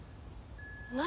何？